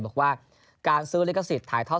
บอกว่าการซื้อลิขสิทธิ์ถ่ายทอด